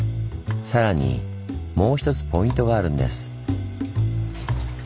更にもう一つポイントがあるんです。